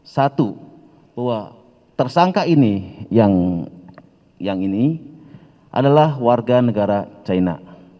satu tersangka ini adalah warga negara china